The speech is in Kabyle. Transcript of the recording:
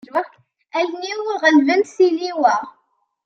Allen-iw ɣelbent tiliwa.